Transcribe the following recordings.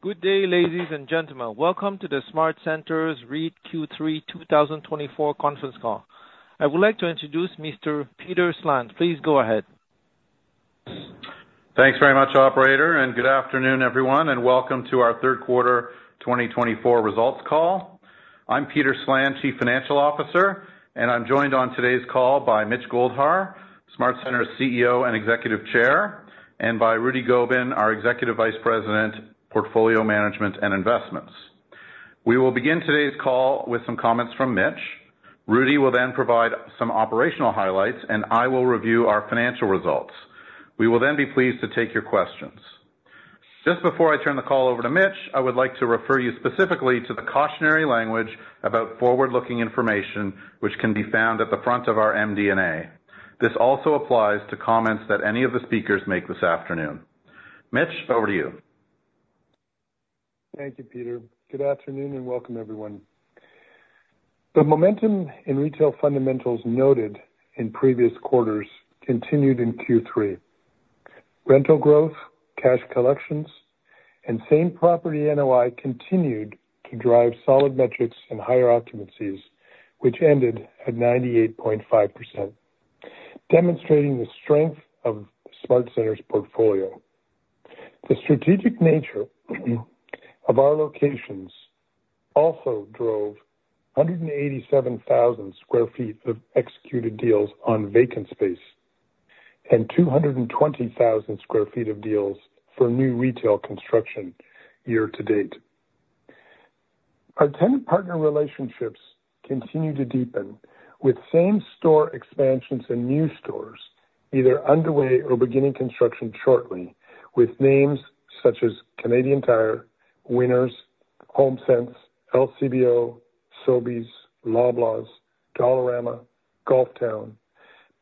Good day, ladies and gentlemen. Welcome to the SmartCentres REIT Q3 2024 conference call. I would like to introduce Mr. Peter Slan. Please go ahead. Thanks very much, Operator, and good afternoon, everyone, and welcome to our third quarter 2024 results call. I'm Peter Slan, Chief Financial Officer, and I'm joined on today's call by Mitch Goldhar, SmartCentres CEO and Executive Chair, and by Rudy Gobin, our Executive Vice President, Portfolio Management and Investments. We will begin today's call with some comments from Mitch. Rudy will then provide some operational highlights, and I will review our financial results. We will then be pleased to take your questions. Just before I turn the call over to Mitch, I would like to refer you specifically to the cautionary language about forward-looking information, which can be found at the front of our MD&A. This also applies to comments that any of the speakers make this afternoon. Mitch, over to you. Thank you, Peter. Good afternoon and welcome, everyone. The momentum in retail fundamentals noted in previous quarters continued in Q3. Rental growth, cash collections, and same property NOI continued to drive solid metrics and higher occupancies, which ended at 98.5%, demonstrating the strength of SmartCentres' portfolio. The strategic nature of our locations also drove 187,000 sq ft of executed deals on vacant space and 220,000 sq ft of deals for new retail construction year to date. Our tenant-partner relationships continue to deepen, with same-store expansions and new stores either underway or beginning construction shortly, with names such as Canadian Tire, Winners, HomeSense, LCBO, Sobeys, Loblaws, Dollarama, Golf Town,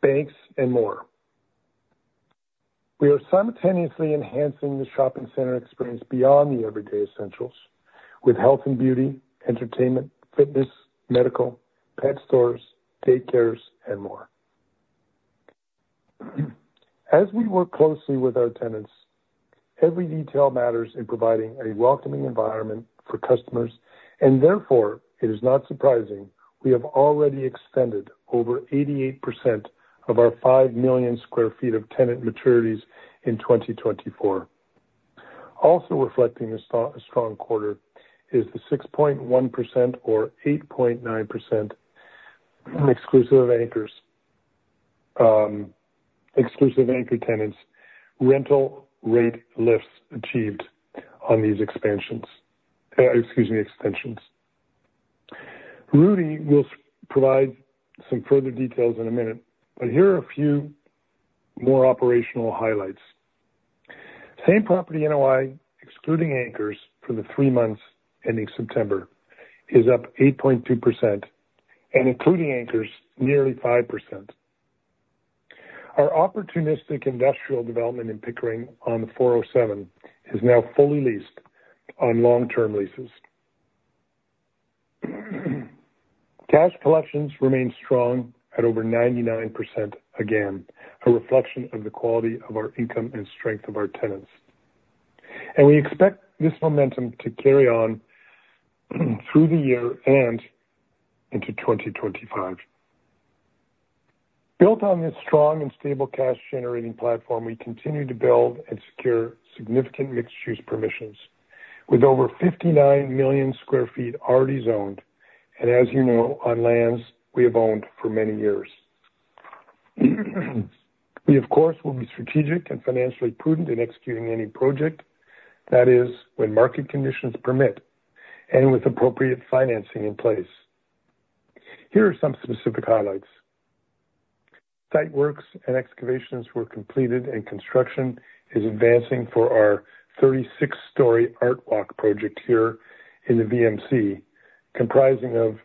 banks, and more. We are simultaneously enhancing the shopping center experience beyond the everyday essentials, with health and beauty, entertainment, fitness, medical, pet stores, daycares, and more. As we work closely with our tenants, every detail matters in providing a welcoming environment for customers, and therefore, it is not surprising we have already extended over 88% of our 5 million sq ft of tenant maturities in 2024. Also reflecting a strong quarter is the 6.1% or 8.9% exclusive anchor tenants rental rate lifts achieved on these expansions. Excuse me, extensions. Rudy will provide some further details in a minute, but here are a few more operational highlights. Same property NOI, excluding anchors for the three months ending September, is up 8.2%, and including anchors, nearly 5%. Our opportunistic industrial development in Pickering on the 407 is now fully leased on long-term leases. Cash collections remain strong at over 99% again, a reflection of the quality of our income and strength of our tenants, and we expect this momentum to carry on through the year and into 2025. Built on this strong and stable cash-generating platform, we continue to build and secure significant mixed-use permissions, with over 59 million sq ft already zoned, and as you know, on lands we have owned for many years. We, of course, will be strategic and financially prudent in executing any project that is, when market conditions permit, and with appropriate financing in place. Here are some specific highlights. Site works and excavations were completed, and construction is advancing for our 36-story ArtWalk project here in the VMC, comprising of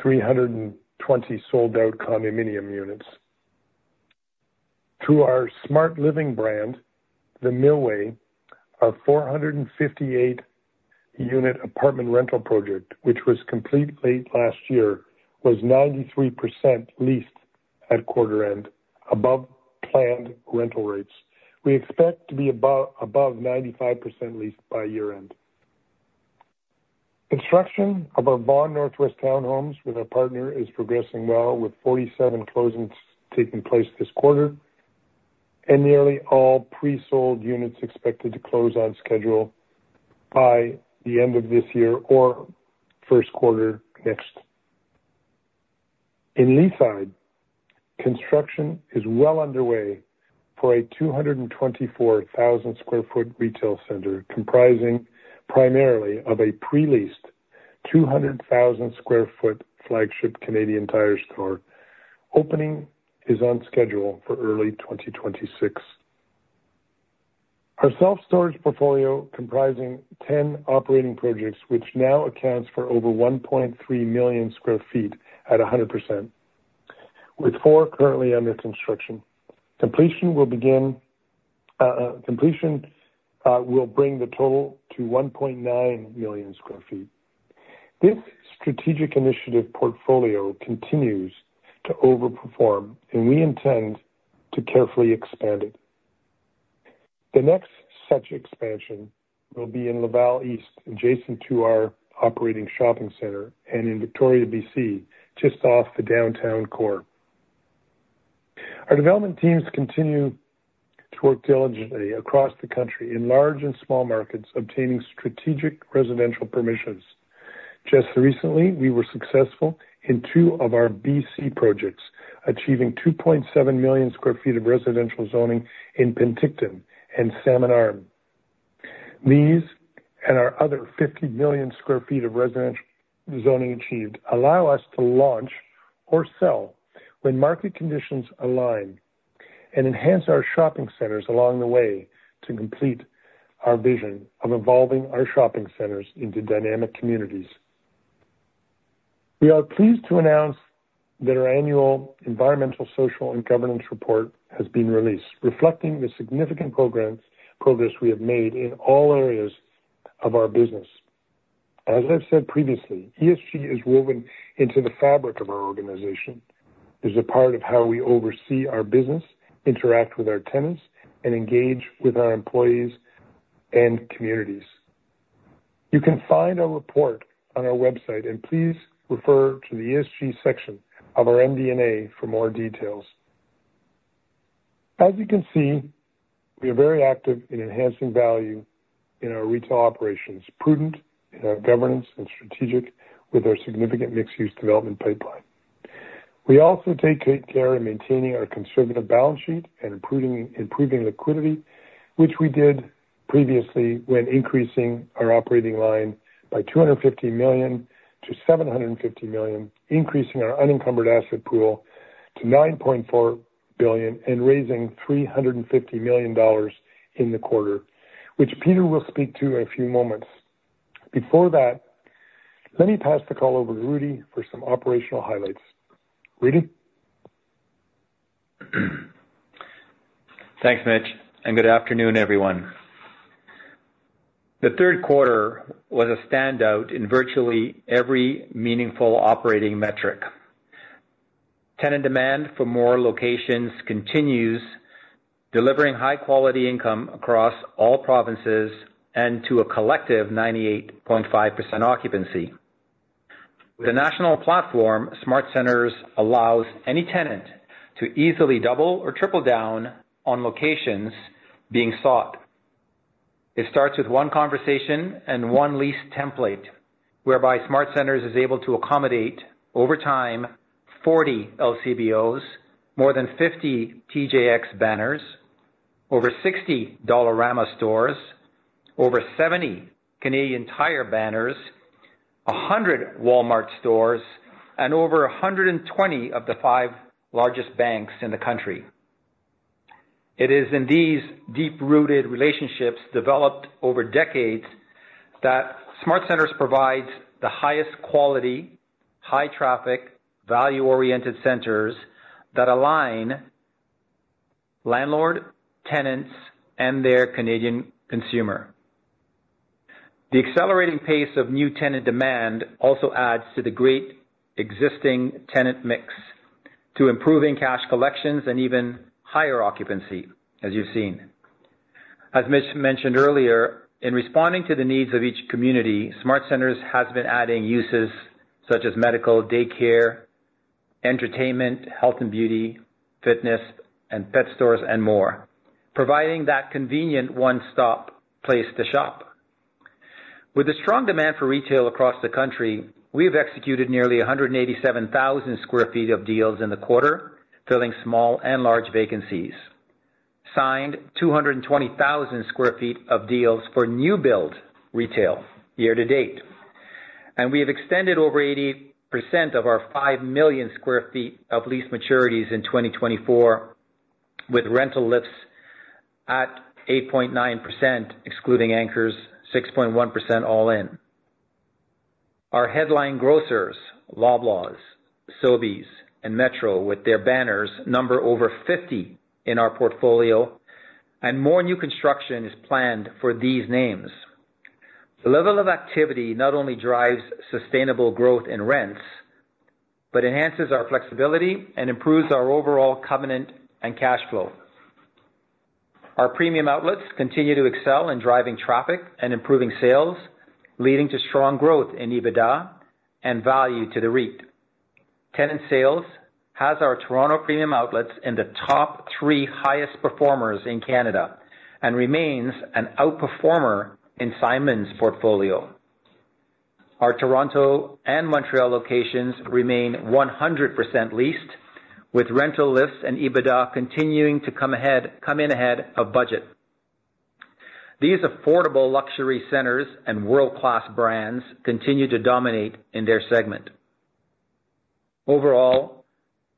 320 sold-out condominium units. Through our SmartLiving brand, The Millway, our 458-unit apartment rental project, which was complete late last year, was 93% leased at quarter-end, above planned rental rates. We expect to be above 95% leased by year-end. Construction of our Vaughan Northwest Townhomes with our partner is progressing well, with 47 closings taking place this quarter, and nearly all pre-sold units expected to close on schedule by the end of this year or first quarter next. In Leaside, construction is well underway for a 224,000 sq ft retail center, comprising primarily of a pre-leased 200,000 sq ft flagship Canadian Tire store. Opening is on schedule for early 2026. Our self-storage portfolio, comprising 10 operating projects, now accounts for over 1.3 million sq ft at 100%, with four currently under construction. Completion will bring the total to 1.9 million sq ft. This strategic initiative portfolio continues to overperform, and we intend to carefully expand it. The next such expansion will be in Laval East, adjacent to our operating shopping center, and in Victoria, BC, just off the downtown core. Our development teams continue to work diligently across the country in large and small markets, obtaining strategic residential permissions. Just recently, we were successful in two of our BC projects, achieving 2.7 million sq ft of residential zoning in Penticton and Salmon Arm. These and our other 50 million sq ft of residential zoning achieved allow us to launch or sell when market conditions align and enhance our shopping centers along the way to complete our vision of evolving our shopping centers into dynamic communities. We are pleased to announce that our annual Environmental, Social, and Governance Report has been released, reflecting the significant progress we have made in all areas of our business. As I've said previously, ESG is woven into the fabric of our organization. It is a part of how we oversee our business, interact with our tenants, and engage with our employees and communities. You can find our report on our website, and please refer to the ESG section of our MD&A for more details. As you can see, we are very active in enhancing value in our retail operations, prudent in our governance and strategic with our significant mixed-use development pipeline. We also take care in maintaining our conservative balance sheet and improving liquidity, which we did previously when increasing our operating line by 250 million-750 million, increasing our unencumbered asset pool to 9.4 billion, and raising 350 million dollars in the quarter, which Peter will speak to in a few moments. Before that, let me pass the call over to Rudy for some operational highlights. Rudy? Thanks, Mitch, and good afternoon, everyone. The third quarter was a standout in virtually every meaningful operating metric. Tenant demand for more locations continues, delivering high-quality income across all provinces and to a collective 98.5% occupancy. The national platform, SmartCentres, allows any tenant to easily double or triple down on locations being sought. It starts with one conversation and one lease template, whereby SmartCentres is able to accommodate, over time, 40 LCBOs, more than 50 TJX banners, over 60 Dollarama stores, over 70 Canadian Tire banners, 100 Walmart stores, and over 120 of the five largest banks in the country. It is in these deep-rooted relationships developed over decades that SmartCentres provides the highest quality, high-traffic, value-oriented centers that align landlord, tenants, and their Canadian consumer. The accelerating pace of new tenant demand also adds to the great existing tenant mix to improving cash collections and even higher occupancy, as you've seen. As Mitch mentioned earlier, in responding to the needs of each community, SmartCentres has been adding uses such as medical, daycare, entertainment, health and beauty, fitness, and pet stores, and more, providing that convenient one-stop place to shop. With the strong demand for retail across the country, we have executed nearly 187,000 sq ft of deals in the quarter, filling small and large vacancies. Signed 220,000 sq ft of deals for new-build retail year to date. And we have extended over 80% of our 5 million sq ft of lease maturities in 2024, with rental lifts at 8.9%, excluding anchors, 6.1% all-in. Our headline grocers, Loblaws, Sobeys, and Metro, with their banners, number over 50 in our portfolio, and more new construction is planned for these names. The level of activity not only drives sustainable growth in rents, but enhances our flexibility and improves our overall covenant and cash flow. Our Premium Outlets continue to excel in driving traffic and improving sales, leading to strong growth in EBITDA and value to the REIT. Tenant sales has our Toronto Premium Outlets in the top three highest performers in Canada and remains an outperformer in Simon's portfolio. Our Toronto and Montreal locations remain 100% leased, with rental lifts and EBITDA continuing to come in ahead of budget. These affordable luxury centers and world-class brands continue to dominate in their segment. Overall,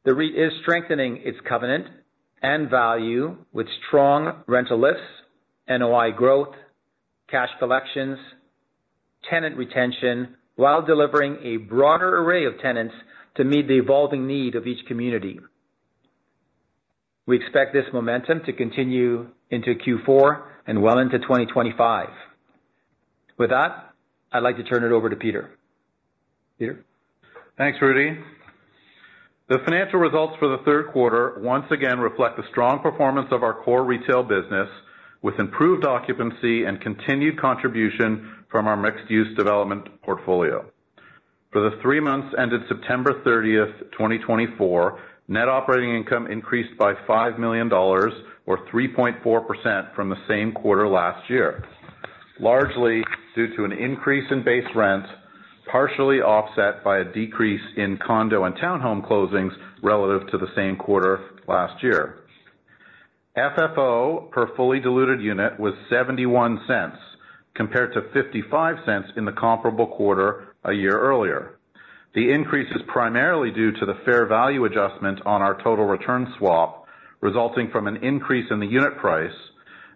the REIT is strengthening its covenant and value with strong rental lifts, NOI growth, cash collections, tenant retention, while delivering a broader array of tenants to meet the evolving need of each community. We expect this momentum to continue into Q4 and well into 2025. With that, I'd like to turn it over to Peter. Peter? Thanks, Rudy. The financial results for the third quarter once again reflect the strong performance of our core retail business, with improved occupancy and continued contribution from our mixed-use development portfolio. For the three months ended September 30, 2024, net operating income increased by 5 million dollars, or 3.4%, from the same quarter last year, largely due to an increase in base rent, partially offset by a decrease in condo and townhome closings relative to the same quarter last year. FFO per fully diluted unit was 0.71, compared to 0.55 in the comparable quarter a year earlier. The increase is primarily due to the fair value adjustment on our total return swap, resulting from an increase in the unit price,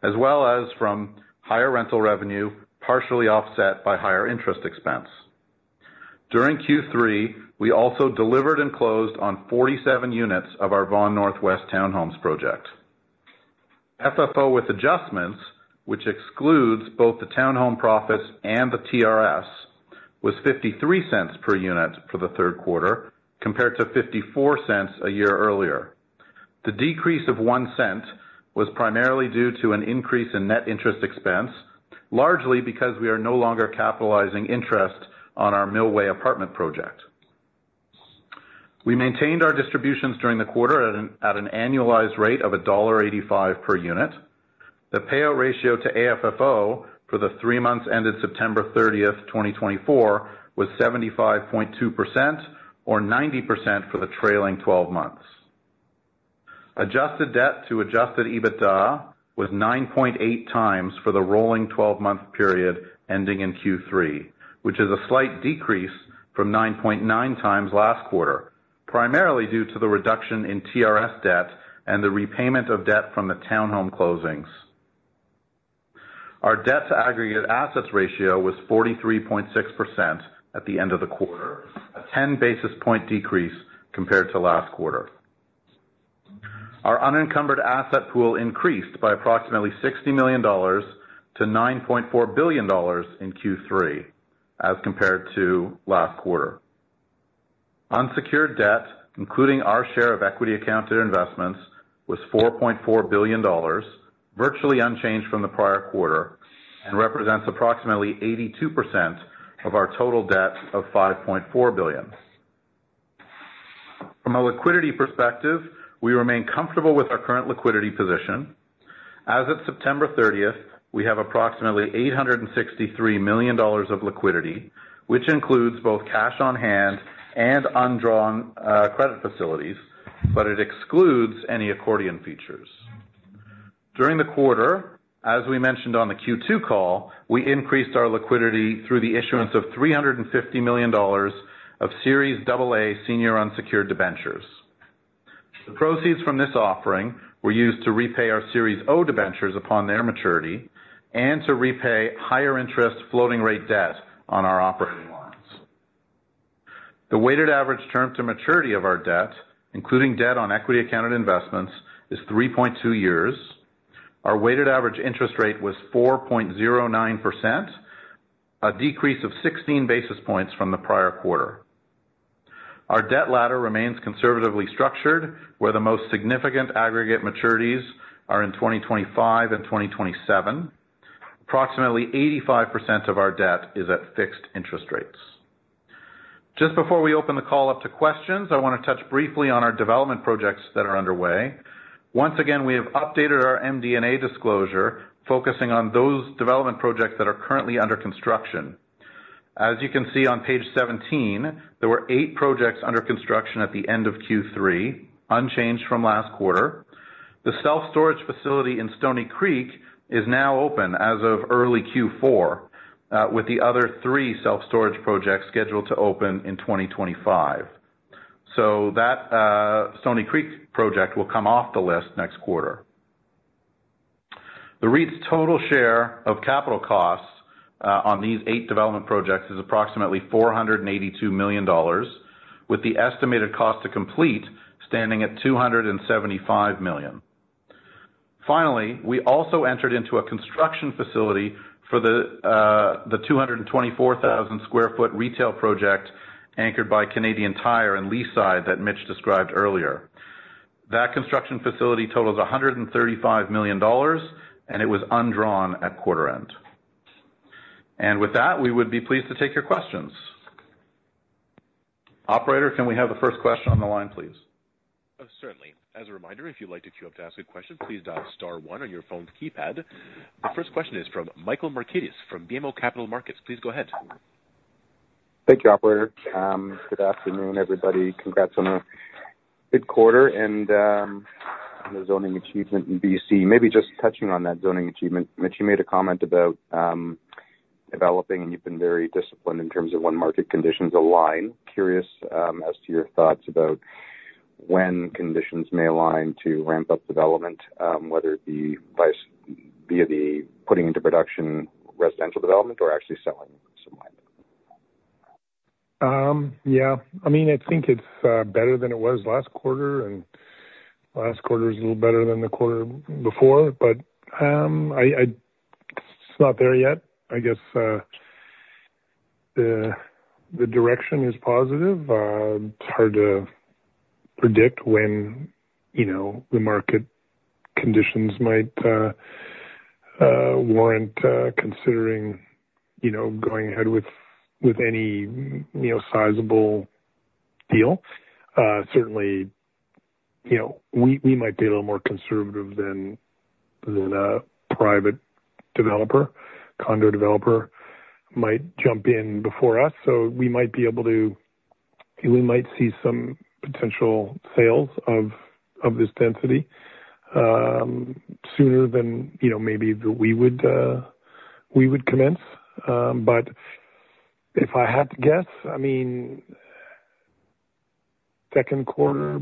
as well as from higher rental revenue, partially offset by higher interest expense. During Q3, we also delivered and closed on 47 units of our Vaughan Northwest Townhomes project. FFO with adjustments, which excludes both the townhome profits and the TRS, was 0.53 per unit for the third quarter, compared to 0.54 a year earlier. The decrease of 0.01 was primarily due to an increase in net interest expense, largely because we are no longer capitalizing interest on our Millway apartment project. We maintained our distributions during the quarter at an annualized rate of dollar 1.85 per unit. The payout ratio to AFFO for the three months ended September 30, 2024, was 75.2%, or 90% for the trailing 12 months. Adjusted debt to adjusted EBITDA was 9.8 times for the rolling 12-month period ending in Q3, which is a slight decrease from 9.9 times last quarter, primarily due to the reduction in TRS debt and the repayment of debt from the townhome closings. Our debt-to-aggregate assets ratio was 43.6% at the end of the quarter, a 10 basis point decrease compared to last quarter. Our unencumbered asset pool increased by approximately CAD 60 million to CAD 9.4 billion in Q3, as compared to last quarter. Unsecured debt, including our share of equity-accounted investments, was 4.4 billion dollars, virtually unchanged from the prior quarter, and represents approximately 82% of our total debt of 5.4 billion. From a liquidity perspective, we remain comfortable with our current liquidity position. As of September 30, we have approximately 863 million dollars of liquidity, which includes both cash on hand and undrawn credit facilities, but it excludes any accordion features. During the quarter, as we mentioned on the Q2 call, we increased our liquidity through the issuance of 350 million dollars of Series AA senior unsecured debentures. The proceeds from this offering were used to repay our Series O debentures upon their maturity and to repay higher-interest floating-rate debt on our operating lines. The weighted average term to maturity of our debt, including debt on equity-accounted investments, is 3.2 years. Our weighted average interest rate was 4.09%, a decrease of 16 basis points from the prior quarter. Our debt ladder remains conservatively structured, where the most significant aggregate maturities are in 2025 and 2027. Approximately 85% of our debt is at fixed interest rates. Just before we open the call up to questions, I want to touch briefly on our development projects that are underway. Once again, we have updated our MD&A disclosure, focusing on those development projects that are currently under construction. As you can see on page 17, there were eight projects under construction at the end of Q3, unchanged from last quarter. The self-storage facility in Stoney Creek is now open as of early Q4, with the other three self-storage projects scheduled to open in 2025. So that Stoney Creek project will come off the list next quarter. The REIT's total share of capital costs on these eight development projects is approximately 482 million dollars, with the estimated cost to complete standing at 275 million. Finally, we also entered into a construction facility for the 224,000 sq ft retail project anchored by Canadian Tire and Leaside that Mitch described earlier. That construction facility totals 135 million dollars, and it was undrawn at quarter end. And with that, we would be pleased to take your questions. Operator, can we have the first question on the line, please? Certainly. As a reminder, if you'd like to queue up to ask a question, please dial star one on your phone's keypad. The first question is from Mike Markidis from BMO Capital Markets. Please go ahead. Thank you, Operator. Good afternoon, everybody. Congrats on a good quarter and the zoning achievement in BC. Maybe just touching on that zoning achievement, Mitch, you made a comment about developing, and you've been very disciplined in terms of when market conditions align. Curious as to your thoughts about when conditions may align to ramp up development, whether it be via the putting into production residential development or actually selling some land. Yeah. I mean, I think it's better than it was last quarter, and last quarter was a little better than the quarter before, but it's not there yet. I guess the direction is positive. It's hard to predict when the market conditions might warrant considering going ahead with any sizable deal. Certainly, we might be a little more conservative than a private developer. Condo developer might jump in before us, so we might be able to - we might see some potential sales of this density sooner than maybe we would commence. But if I had to guess, I mean, second quarter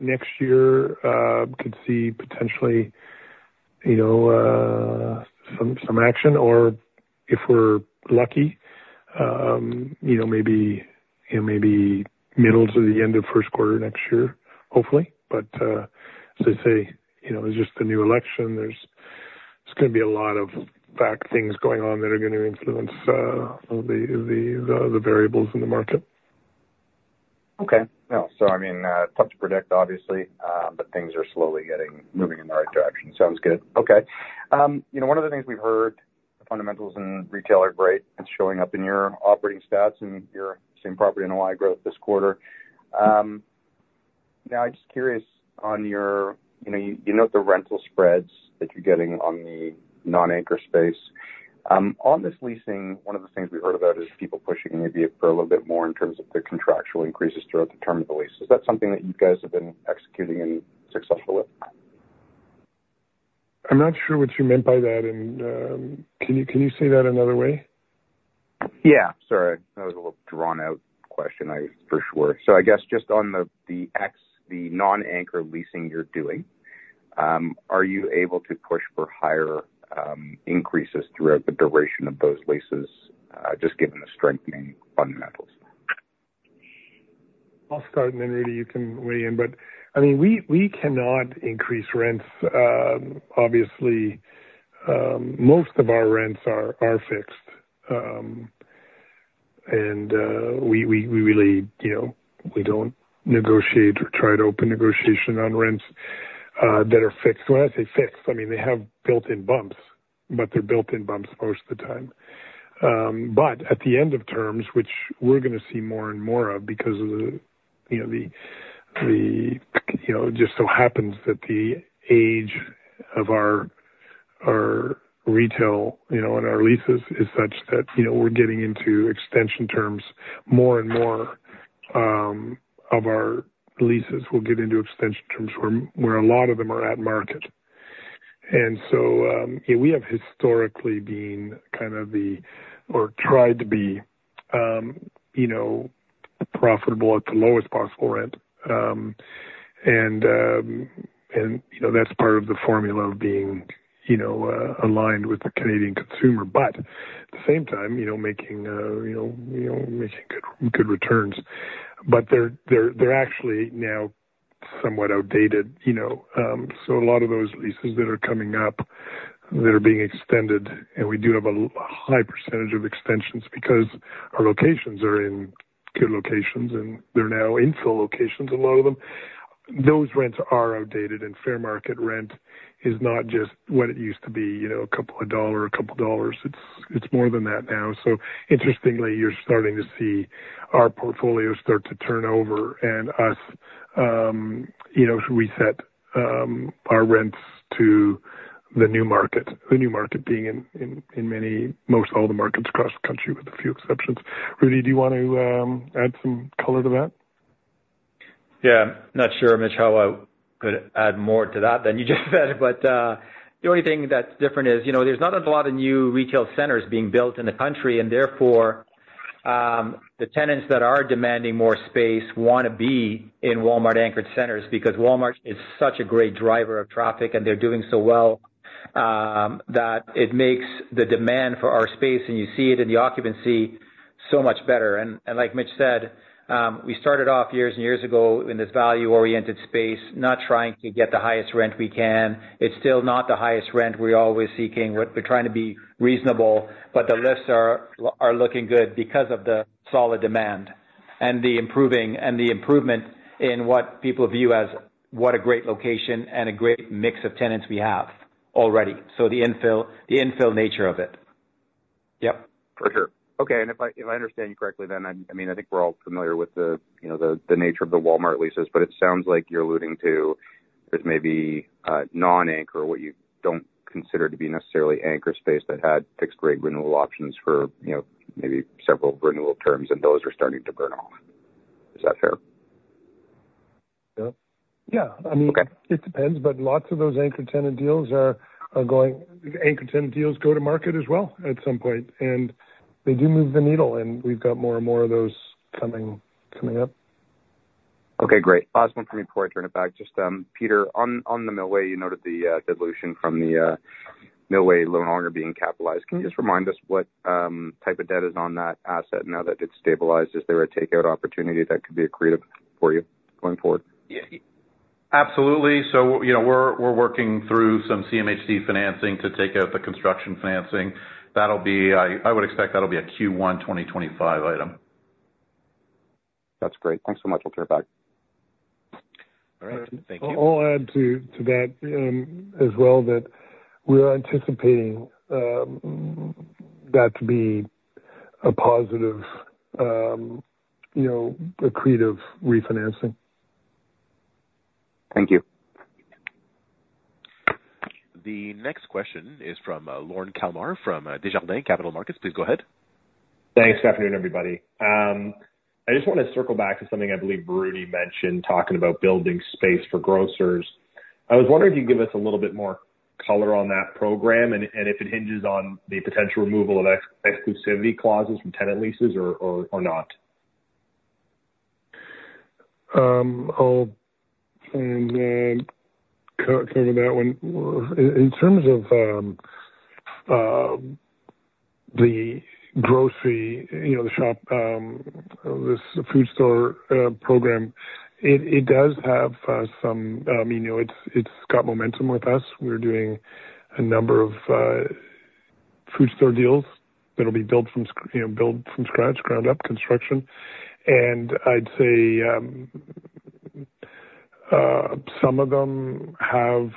next year could see potentially some action, or if we're lucky, maybe middle to the end of first quarter next year, hopefully. But as I say, there's just the new election. There's going to be a lot of things going on that are going to influence the variables in the market. Okay. No. So I mean, tough to predict, obviously, but things are slowly moving in the right direction. Sounds good. Okay. One of the things we've heard, the fundamentals in retail are great. It's showing up in your operating stats and your same property NOI growth this quarter. Now, I'm just curious on your—you note the rental spreads that you're getting on the non-anchor space. On this leasing, one of the things we heard about is people pushing maybe for a little bit more in terms of the contractual increases throughout the term of the lease. Is that something that you guys have been executing and successful with? I'm not sure what you meant by that. And can you say that another way? Yeah. Sorry. That was a little drawn-out question, for sure. So I guess just on the non-anchor leasing you're doing, are you able to push for higher increases throughout the duration of those leases, just given the strengthening fundamentals? I'll start, and then Rudy, you can weigh in. But I mean, we cannot increase rents. Obviously, most of our rents are fixed. And we really don't negotiate or try to open negotiation on rents that are fixed. When I say fixed, I mean they have built-in bumps, but they're built-in bumps most of the time. But at the end of terms, which we're going to see more and more of because of the just so happens that the age of our retail and our leases is such that we're getting into extension terms. More and more of our leases will get into extension terms where a lot of them are at market. And so we have historically been kind of—or tried to be profitable at the lowest possible rent. And that's part of the formula of being aligned with the Canadian consumer, but at the same time, making good returns. But they're actually now somewhat outdated. So a lot of those leases that are coming up, that are being extended, and we do have a high percentage of extensions because our locations are in good locations, and they're now infill locations, a lot of them. Those rents are outdated, and fair market rent is not just what it used to be, a couple of dollars, a couple of dollars. It's more than that now. So interestingly, you're starting to see our portfolio start to turn over and us reset our rents to the new market, the new market being in most all the markets across the country with a few exceptions. Rudy, do you want to add some color to that? Yeah. Not sure, Mitch, how I could add more to that than you just said. But the only thing that's different is there's not a lot of new retail centers being built in the country, and therefore the tenants that are demanding more space want to be in Walmart-anchored centers because Walmart is such a great driver of traffic, and they're doing so well that it makes the demand for our space, and you see it in the occupancy, so much better. And like Mitch said, we started off years and years ago in this value-oriented space, not trying to get the highest rent we can. It's still not the highest rent we're always seeking. We're trying to be reasonable, but the lifts are looking good because of the solid demand and the improvement in what people view as what a great location and a great mix of tenants we have already. So the infill nature of it. Yep. For sure. Okay. And if I understand you correctly, then I mean, I think we're all familiar with the nature of the Walmart leases, but it sounds like you're alluding to there's maybe non-anchor, what you don't consider to be necessarily anchor space that had fixed-rate renewal options for maybe several renewal terms, and those are starting to burn off. Is that fair? Yeah. I mean, it depends, but lots of those anchor tenant deals go to market as well at some point. They do move the needle, and we've got more and more of those coming up. Okay. Great. Last one from me before I turn it back. Just Peter, on the Millway, you noted the dilution from the Millway no longer being capitalized. Can you just remind us what type of debt is on that asset now that it's stabilized? Is there a takeout opportunity that could be a creative for you going forward? Absolutely. So we're working through some CMHC financing to take out the construction financing. I would expect that'll be a Q1 2025 item. That's great. Thanks so much. I'll turn it back. All right. Thank you. I'll add to that as well that we're anticipating that to be a positive, a creative refinancing. Thank you. The next question is from Lorne Kalmar from Desjardins Capital Markets. Please go ahead. Thanks. Good afternoon, everybody. I just want to circle back to something I believe Rudy mentioned talking about building space for grocers. I was wondering if you'd give us a little bit more color on that program and if it hinges on the potential removal of exclusivity clauses from tenant leases or not? I'll cover that one. In terms of the grocery, the shop, this food store program, it does have some, it's got momentum with us. We're doing a number of food store deals that will be built from scratch, ground-up construction. And I'd say some of them have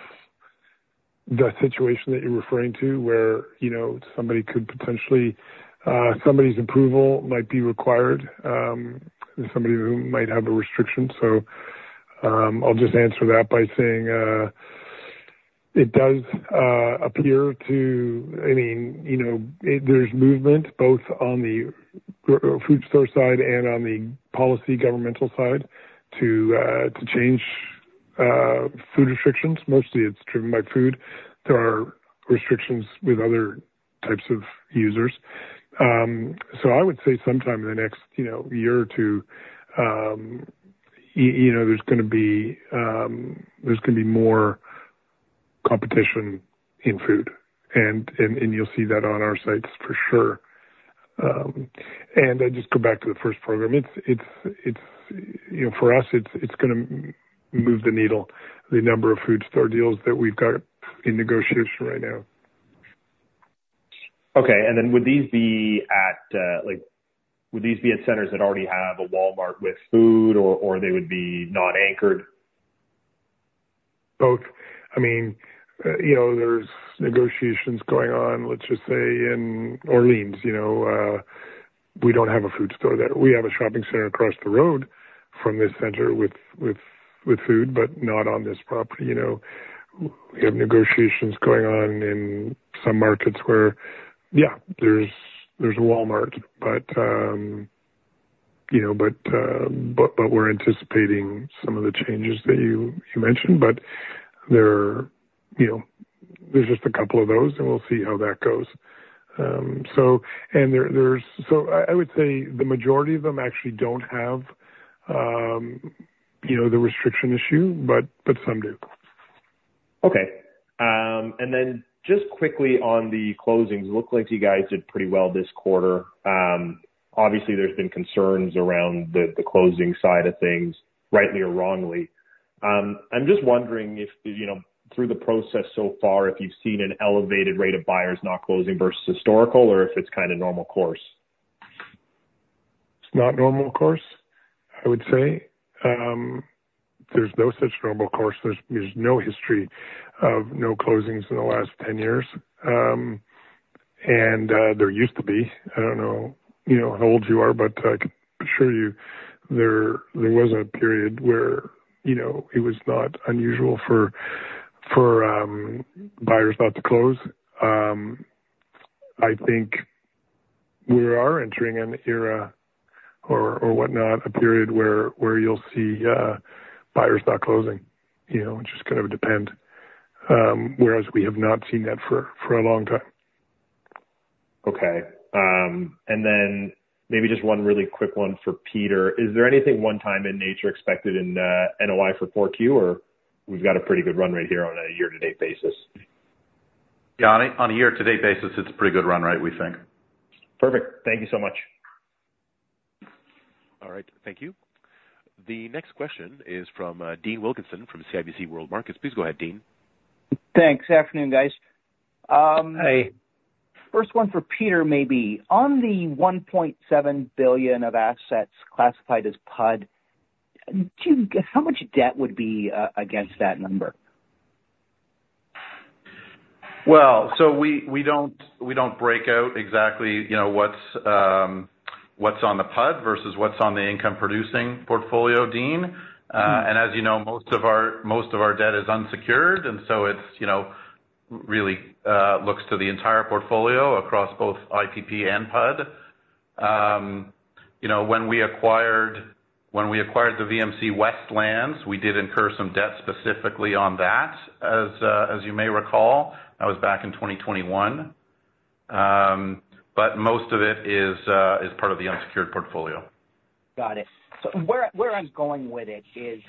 the situation that you're referring to where somebody could potentially, somebody's approval might be required, somebody who might have a restriction. So I'll just answer that by saying it does appear to, I mean, there's movement both on the food store side and on the policy governmental side to change food restrictions. Mostly, it's driven by food. There are restrictions with other types of users. So I would say sometime in the next year or two, there's going to be, there's going to be more competition in food, and you'll see that on our sites for sure. And I just go back to the first program. For us, it's going to move the needle, the number of food store deals that we've got in negotiation right now. Okay. And then would these be at, would these be at centers that already have a Walmart with food, or they would be non-anchored? Both. I mean, there's negotiations going on, let's just say, in Orleans. We don't have a food store there. We have a shopping center across the road from this center with food, but not on this property. We have negotiations going on in some markets where, yeah, there's a Walmart, but we're anticipating some of the changes that you mentioned. But there's just a couple of those, and we'll see how that goes, and so I would say the majority of them actually don't have the restriction issue, but some do. Okay. And then just quickly on the closings, it looked like you guys did pretty well this quarter. Obviously, there's been concerns around the closing side of things, rightly or wrongly. I'm just wondering if through the process so far, if you've seen an elevated rate of buyers not closing versus historical, or if it's kind of normal course? It's not normal course, I would say. There's no such normal course. There's no history of no closings in the last 10 years, and there used to be. I don't know how old you are, but I can assure you there was a period where it was not unusual for buyers not to close. I think we are entering an era or whatnot, a period where you'll see buyers not closing. It just kind of depends. Whereas we have not seen that for a long time. Okay. And then maybe just one really quick one for Peter. Is there anything one-time in nature expected in NOI for 4Q, or we've got a pretty good run rate here on a year-to-date basis? Got it. On a year-to-date basis, it's a pretty good run rate, we think. Perfect. Thank you so much. All right. Thank you. The next question is from Dean Wilkinson from CIBC World Markets. Please go ahead, Dean. Thanks. Good afternoon, guys. Hi. First one for Peter, maybe. On the 1.7 billion of assets classified as PUD, how much debt would be against that number? Well, so we don't break out exactly what's on the PUD versus what's on the income-producing portfolio, Dean. And as you know, most of our debt is unsecured, and so it really looks to the entire portfolio across both IPP and PUD. When we acquired the VMC West lands, we did incur some debt specifically on that, as you may recall. That was back in 2021. But most of it is part of the unsecured portfolio. Got it. So where I'm going with it is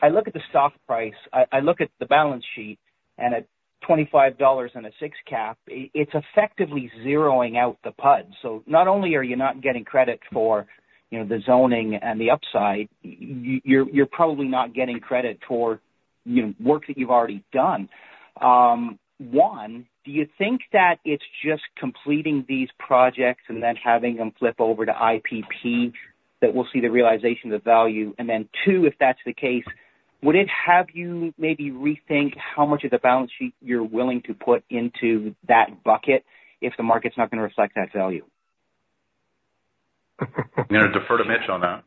I look at the stock price, I look at the balance sheet, and at $25 and a 6% cap, it's effectively zeroing out the PUD. So not only are you not getting credit for the zoning and the upside, you're probably not getting credit for work that you've already done. One, do you think that it's just completing these projects and then having them flip over to IPP that we'll see the realization of the value? And then two, if that's the case, would it have you maybe rethink how much of the balance sheet you're willing to put into that bucket if the market's not going to reflect that value? I'm going to defer to Mitch on that.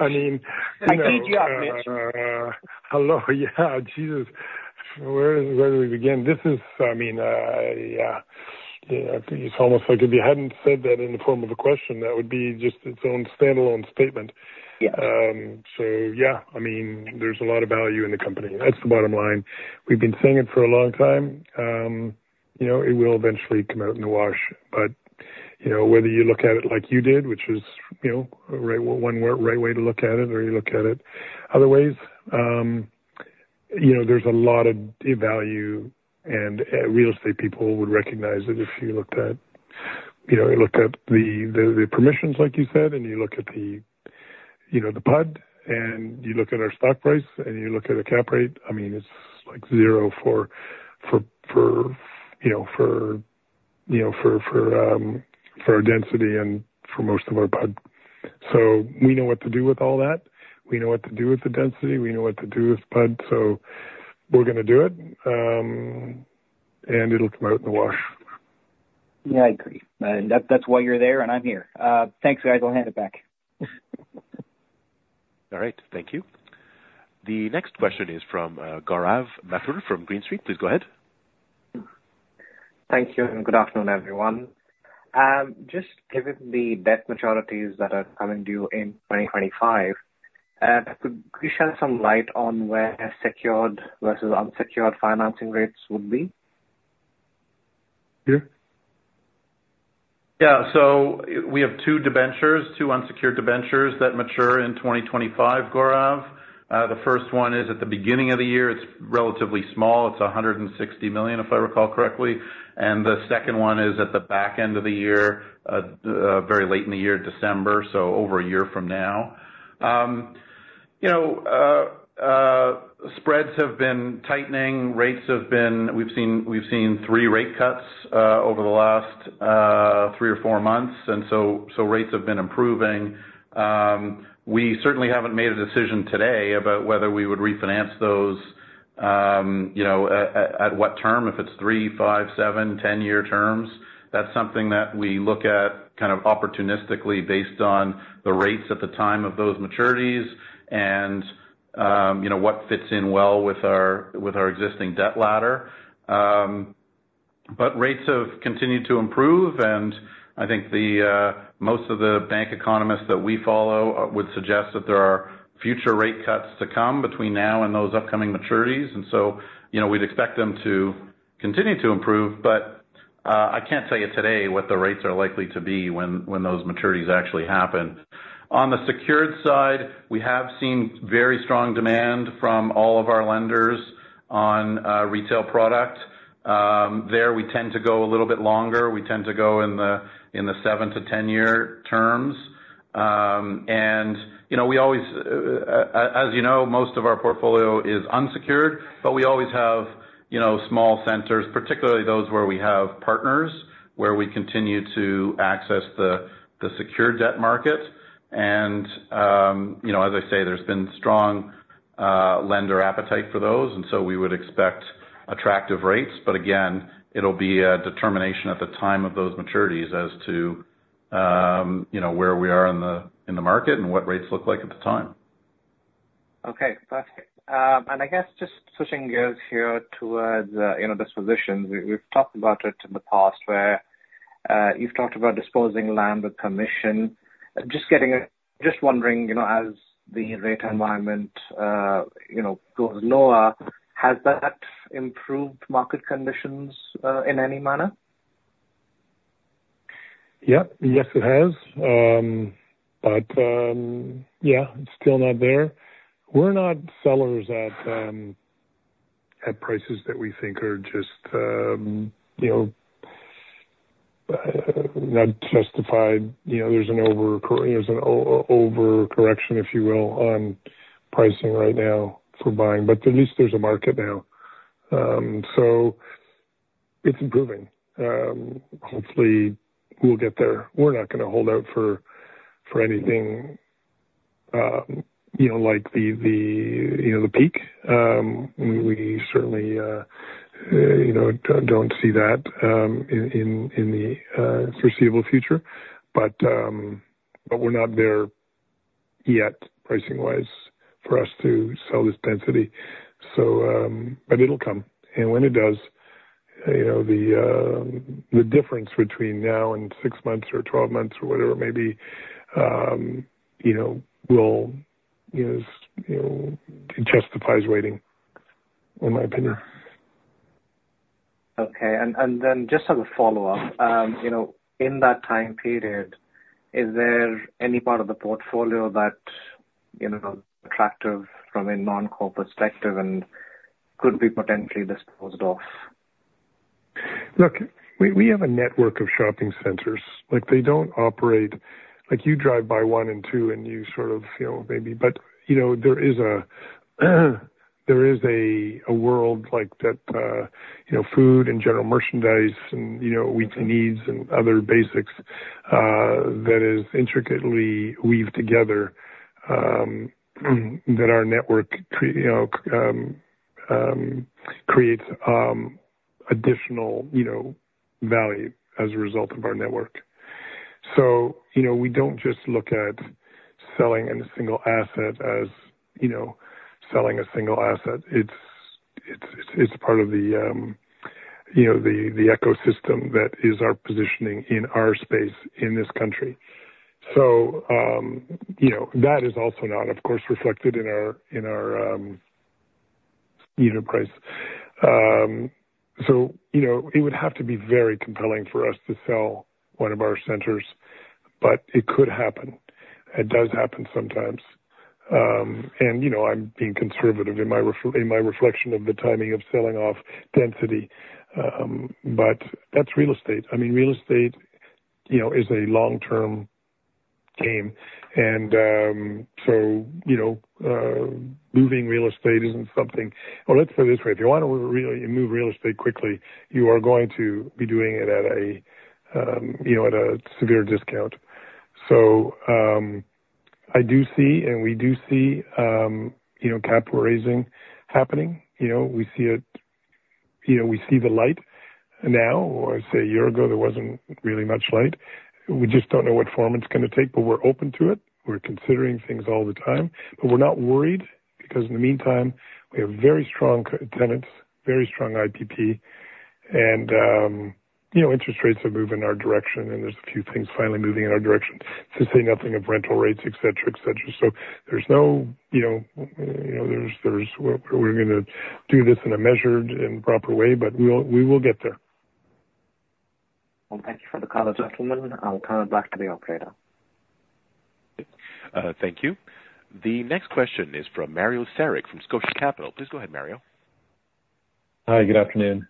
I mean. I need you up, Mitch. Hello. Yeah. Jesus. Where do we begin? This is, I mean, it's almost like if you hadn't said that in the form of a question, that would be just its own standalone statement. So yeah, I mean, there's a lot of value in the company. That's the bottom line. We've been saying it for a long time. It will eventually come out in the wash. But whether you look at it like you did, which is one right way to look at it, or you look at it other ways, there's a lot of value, and real estate people would recognize it if you looked at it. You look at the permissions, like you said, and you look at the PUD, and you look at our stock price, and you look at a cap rate. I mean, it's like zero for our density and for most of our PUD. So we know what to do with all that. We know what to do with the density. We know what to do with PUD. So we're going to do it, and it'll come out in the wash. Yeah, I agree. That's why you're there, and I'm here. Thanks, guys. I'll hand it back. All right. Thank you. The next question is from Gaurav Mathur from Green Street. Please go ahead. Thank you, and good afternoon, everyone. Just given the debt maturities that are coming due in 2025, could you shed some light on where secured versus unsecured financing rates would be? Peter? Yeah. So we have two unsecured debentures that mature in 2025, Gaurav. The first one is at the beginning of the year. It's relatively small. It's 160 million, if I recall correctly. And the second one is at the back end of the year, very late in the year, December, so over a year from now. Spreads have been tightening. Rates have been. We've seen three rate cuts over the last three or four months, and so rates have been improving. We certainly haven't made a decision today about whether we would refinance those, at what term, if it's three, five, seven, 10-year terms. That's something that we look at kind of opportunistically based on the rates at the time of those maturities and what fits in well with our existing debt ladder. But rates have continued to improve, and I think most of the bank economists that we follow would suggest that there are future rate cuts to come between now and those upcoming maturities. And so we'd expect them to continue to improve, but I can't tell you today what the rates are likely to be when those maturities actually happen. On the secured side, we have seen very strong demand from all of our lenders on retail product. There, we tend to go a little bit longer. We tend to go in the 7-10 year terms. And we always, as you know, most of our portfolio is unsecured, but we always have small centers, particularly those where we have partners, where we continue to access the secured debt market. And as I say, there's been strong lender appetite for those, and so we would expect attractive rates. But again, it'll be a determination at the time of those maturities as to where we are in the market and what rates look like at the time. Okay. Perfect. And I guess just switching gears here towards dispositions, we've talked about it in the past where you've talked about disposing land with permission. Just wondering, as the rate environment goes lower, has that improved market conditions in any manner? Yep. Yes, it has. But yeah, it's still not there. We're not sellers at prices that we think are just justified. There's an overcorrection, if you will, on pricing right now for buying. But at least there's a market now. So it's improving. Hopefully, we'll get there. We're not going to hold out for anything like the peak. We certainly don't see that in the foreseeable future. But we're not there yet, pricing-wise, for us to sell this density. But it'll come. And when it does, the difference between now and six months or 12 months or whatever it may be will justify waiting, in my opinion. Okay. And then just as a follow-up, in that time period, is there any part of the portfolio that's attractive from a non-core perspective and could be potentially disposed of? Look, we have a network of shopping centers. They don't operate. You drive by one and two, and you sort of feel maybe. But there is a world that food and general merchandise and weekly needs and other basics that is intricately weaved together that our network creates additional value as a result of our network. So we don't just look at selling a single asset as selling a single asset. It's part of the ecosystem that is our positioning in our space in this country. So that is also not, of course, reflected in our price. So it would have to be very compelling for us to sell one of our centers, but it could happen. It does happen sometimes. And I'm being conservative in my reflection of the timing of selling off density. But that's real estate. I mean, real estate is a long-term game. Moving real estate isn't something. Well, let's put it this way. If you want to move real estate quickly, you are going to be doing it at a severe discount. So I do see, and we do see capital raising happening. We see it. We see the light now. I say a year ago, there wasn't really much light. We just don't know what form it's going to take, but we're open to it. We're considering things all the time. But we're not worried because in the meantime, we have very strong tenants, very strong IPP, and interest rates are moving in our direction, and there's a few things finally moving in our direction. To say nothing of rental rates, etc., etc. So there's no. There's what we're going to do this in a measured and proper way, but we will get there. Thank you for the color, gentlemen. I'll turn it back to the operator. Thank you. The next question is from Mario Saric from Scotia Capital. Please go ahead, Mario. Hi. Good afternoon.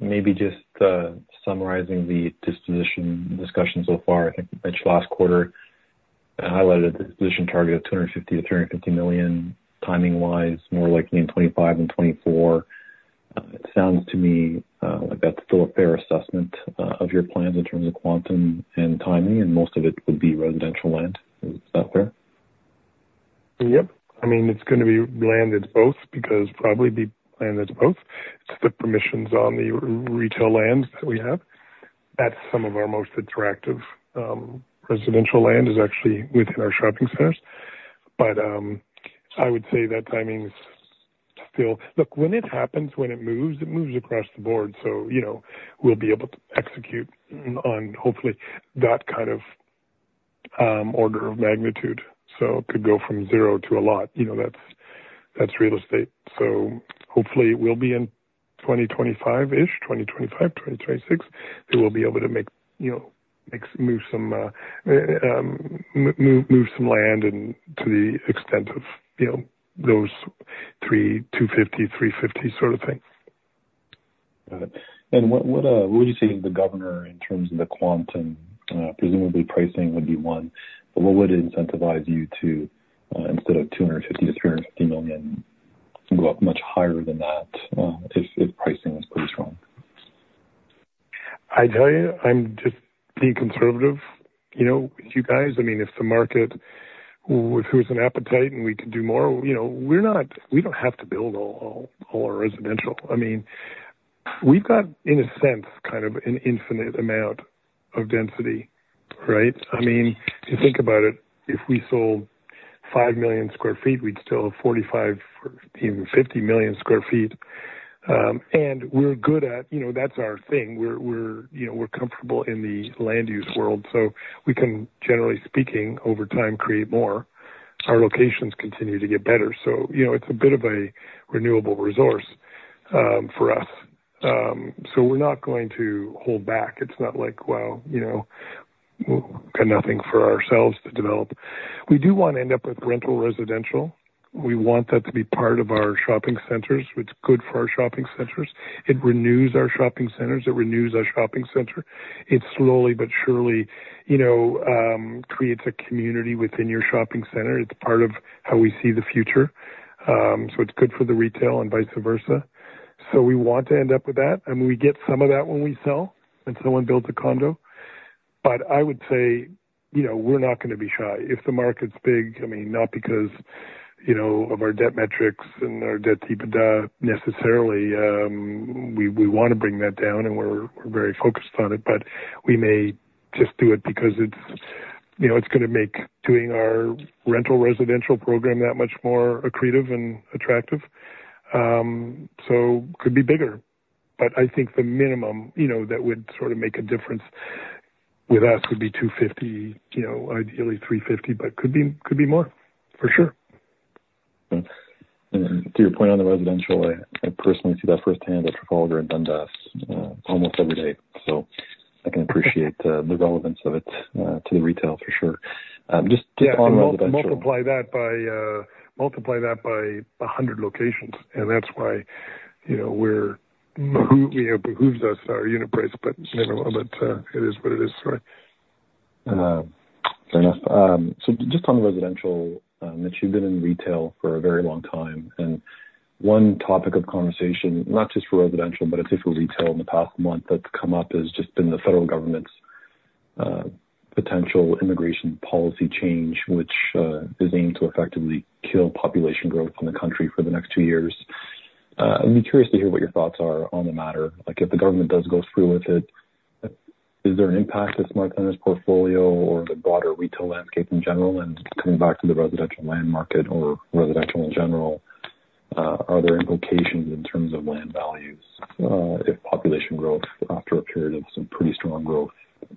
Maybe just summarizing the disposition discussion so far. I think Mitch last quarter highlighted a disposition target of 250 million-350 million, timing-wise, more likely in 2025 than 2024. It sounds to me like that's still a fair assessment of your plans in terms of quantum and timing, and most of it would be residential land. Is that fair? Yep. I mean, it's going to be landed both because probably be landed both. It's the permissions on the retail land that we have. That's some of our most attractive residential land, is actually within our shopping centers, but I would say that timing is still. Look, when it happens, when it moves, it moves across the board, so we'll be able to execute on, hopefully, that kind of order of magnitude, so it could go from zero to a lot. That's real estate, so hopefully, we'll be in 2025-ish, 2025, 2026, we will be able to move some land to the extent of those 250, 350 sort of things. Got it. And what would you say is the governor in terms of the quantum? Presumably, pricing would be one. But what would incentivize you to, instead of 250 million-350 million, go up much higher than that if pricing is pretty strong? I tell you, I'm just being conservative with you guys. I mean, if the market has an appetite and we can do more, we don't have to build all our residential. I mean, we've got, in a sense, kind of an infinite amount of density, right? I mean, if you think about it, if we sold 5 million sq ft, we'd still have 45, even 50 million sq ft. And we're good at that. That's our thing. We're comfortable in the land use world. So we can, generally speaking, over time create more. Our locations continue to get better. So it's a bit of a renewable resource for us. So we're not going to hold back. It's not like, "Well, we've got nothing for ourselves to develop." We do want to end up with rental residential. We want that to be part of our shopping centers, which is good for our shopping centers. It renews our shopping centers. It renews our shopping center. It slowly but surely creates a community within your shopping center. It's part of how we see the future. So it's good for the retail and vice versa. So we want to end up with that. And we get some of that when we sell when someone builds a condo. But I would say we're not going to be shy. If the market's big, I mean, not because of our debt metrics and our debt ladder necessarily. We want to bring that down, and we're very focused on it. But we may just do it because it's going to make doing our rental residential program that much more accretive and attractive. So it could be bigger. But I think the minimum that would sort of make a difference with us would be 250, ideally 350, but could be more, for sure. To your point on the residential, I personally see that firsthand at Trafalgar and Dundas almost every day. So I can appreciate the relevance of it to the retail, for sure. Just on residential. Yeah. Multiply that by 100 locations. And that's why we're, it behooves us our unit price, but it is what it is, sorry. Fair enough. So just on residential, Mitch, you've been in retail for a very long time. And one topic of conversation, not just for residential, but particularly retail in the past month that's come up has just been the federal government's potential immigration policy change, which is aimed to effectively kill population growth in the country for the next two years. I'd be curious to hear what your thoughts are on the matter. If the government does go through with it, is there an impact on the SmartCentres' portfolio or the broader retail landscape in general? And coming back to the residential land market or residential in general, are there implications in terms of land values if population growth after a period of some pretty strong growth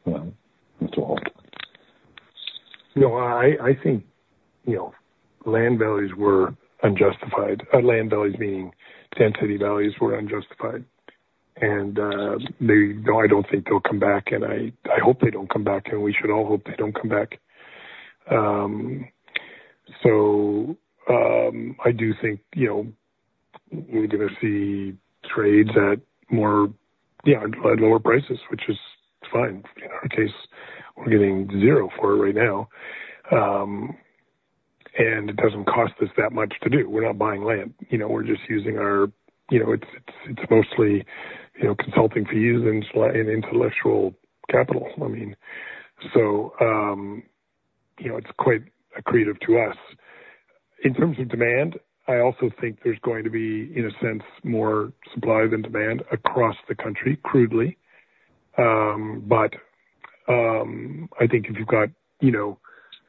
comes to a halt? No, I think land values were unjustified. Land values, meaning density values, were unjustified. And I don't think they'll come back. And I hope they don't come back. And we should all hope they don't come back. So I do think we're going to see trades at lower prices, which is fine. In our case, we're getting zero for it right now. And it doesn't cost us that much to do. We're not buying land. We're just using our, it's mostly consulting fees and intellectual capital. I mean, so it's quite accretive to us. In terms of demand, I also think there's going to be, in a sense, more supply than demand across the country, crudely. But I think if you've got,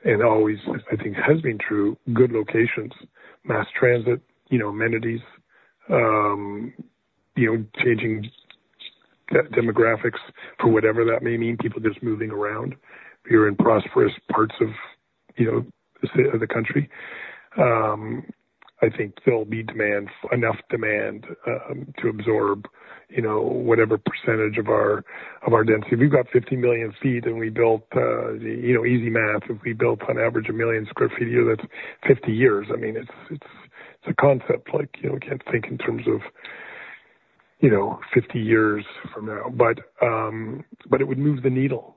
and always, I think, has been true, good locations, mass transit, amenities, changing demographics for whatever that may mean, people just moving around. If you're in prosperous parts of the country, I think there'll be enough demand to absorb whatever percentage of our density. If you've got 50 million sq ft and we built, easy math, if we built on average a million sq ft a year, that's 50 years. I mean, it's a concept. We can't think in terms of 50 years from now, but it would move the needle.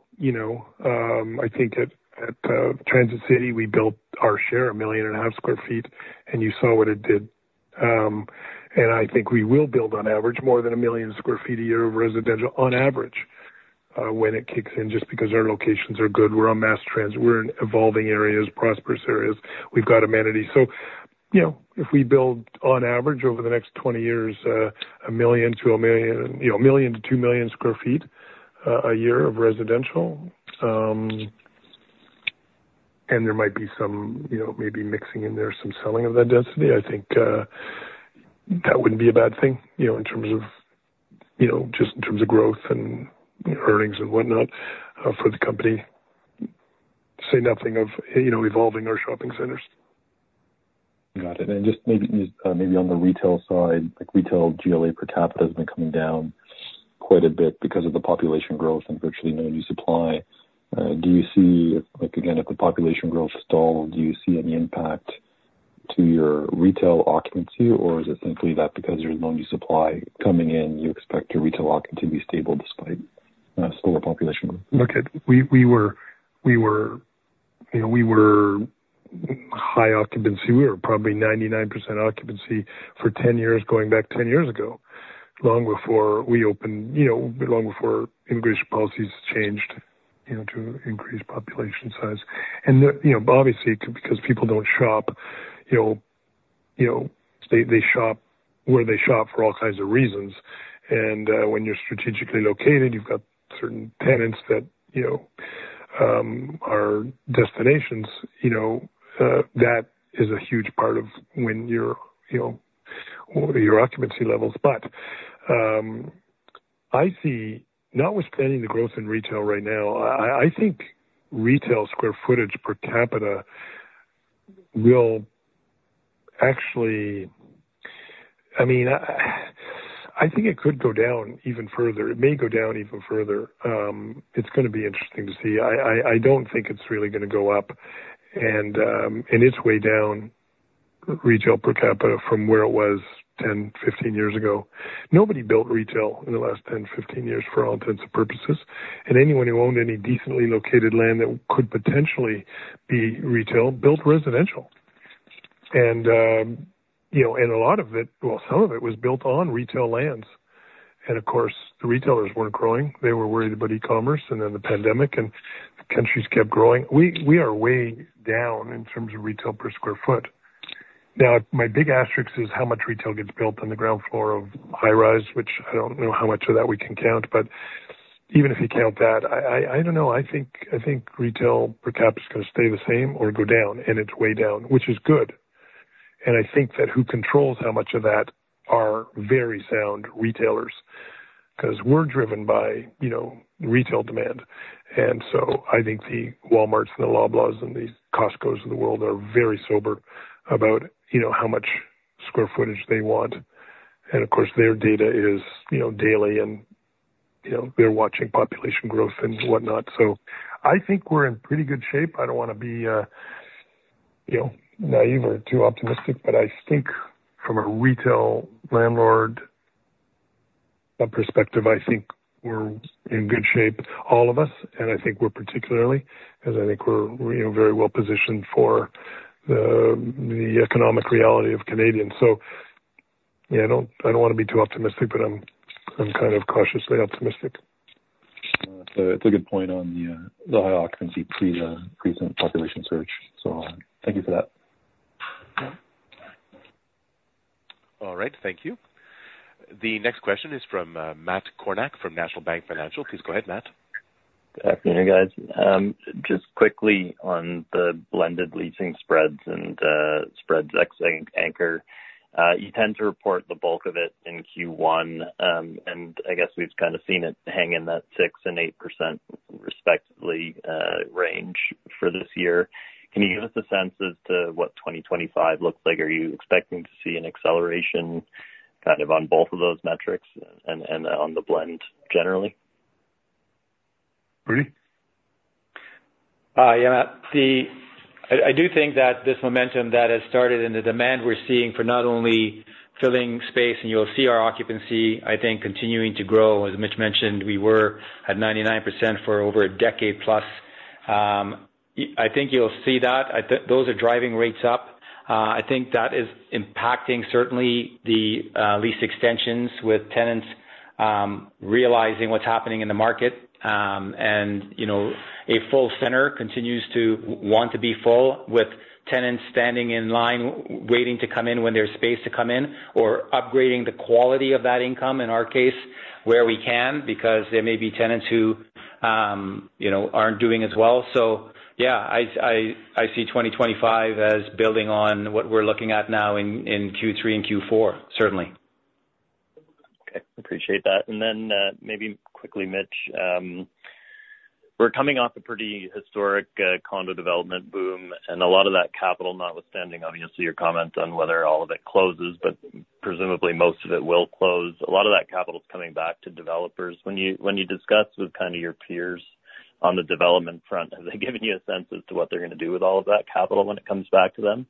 I think at Transit City, we built our share, 1.5 million sq ft, and you saw what it did, and I think we will build, on average, more than a million sq ft a year of residential, on average, when it kicks in, just because our locations are good. We're on mass transit. We're in evolving areas, prosperous areas. We've got amenities. So if we build, on average, over the next 20 years, a million to a million to two million sq ft a year of residential, and there might be some maybe mixing in there, some selling of that density, I think that wouldn't be a bad thing in terms of just in terms of growth and earnings and whatnot for the company. Say nothing of evolving our shopping centers. Got it. And just maybe on the retail side, retail GLA per capita has been coming down quite a bit because of the population growth and virtually no new supply. Do you see, again, if the population growth stalls, do you see any impact to your retail occupancy? Or is it simply that because there's no new supply coming in, you expect your retail occupancy to be stable despite slower population growth? Look, we were high occupancy. We were probably 99% occupancy for 10 years going back 10 years ago, long before we opened, long before immigration policies changed to increase population size. And obviously, because people don't shop, they shop where they shop for all kinds of reasons. And when you're strategically located, you've got certain tenants that are destinations. That is a huge part of when your occupancy levels. But I see, notwithstanding the growth in retail right now, I think retail square footage per capita will actually, I mean, I think it could go down even further. It may go down even further. It's going to be interesting to see. I don't think it's really going to go up. And it's way down retail per capita from where it was 10, 15 years ago. Nobody built retail in the last 10, 15 years for all intents and purposes. Anyone who owned any decently located land that could potentially be retail built residential. A lot of it, well, some of it was built on retail lands. Of course, the retailers weren't growing. They were worried about e-commerce and then the pandemic, and the country's kept growing. We are way down in terms of retail per sq ft. Now, my big asterisk is how much retail gets built on the ground floor of high-rise, which I don't know how much of that we can count. But even if you count that, I don't know. I think retail per capita is going to stay the same or go down. It's way down, which is good. I think that who controls how much of that are very sound retailers because we're driven by retail demand. And so I think the Walmarts and the Loblaws and the Costcos of the world are very sober about how much square footage they want, and of course, their data is daily, and they're watching population growth and whatnot, so I think we're in pretty good shape. I don't want to be naive or too optimistic, but I think from a retail landlord perspective, I think we're in good shape, all of us, and I think we're particularly because I think we're very well positioned for the economic reality of Canadians, so I don't want to be too optimistic, but I'm kind of cautiously optimistic. It's a good point on the high occupancy percent population search. So thank you for that. All right. Thank you. The next question is from Matt Kornack from National Bank Financial. Please go ahead, Matt. Good afternoon, guys. Just quickly on the blended leasing spreads and spreads ex, I think, anchor. You tend to report the bulk of it in Q1. And I guess we've kind of seen it hang in that 6% and 8% respectively range for this year. Can you give us a sense as to what 2025 looks like? Are you expecting to see an acceleration kind of on both of those metrics and on the blend generally? Rudy. Yeah, Matt. I do think that this momentum that has started and the demand we're seeing for not only filling space, and you'll see our occupancy, I think, continuing to grow. As Mitch mentioned, we were at 99% for over a decade plus. I think you'll see that. Those are driving rates up. I think that is impacting certainly the lease extensions with tenants realizing what's happening in the market. And a full center continues to want to be full with tenants standing in line waiting to come in when there's space to come in or upgrading the quality of that income, in our case, where we can, because there may be tenants who aren't doing as well. So yeah, I see 2025 as building on what we're looking at now in Q3 and Q4, certainly. Okay. Appreciate that. And then maybe quickly, Mitch, we're coming off a pretty historic condo development boom. And a lot of that capital, notwithstanding, obviously, your comments on whether all of it closes, but presumably most of it will close. A lot of that capital is coming back to developers. When you discuss with kind of your peers on the development front, have they given you a sense as to what they're going to do with all of that capital when it comes back to them?